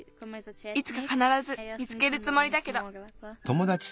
いつかかならず見つけるつもりだけど。